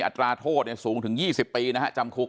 อัตราโทษสูงถึง๒๐ปีนะฮะจำคุก